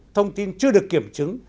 thông tin chưa được kiểm chứng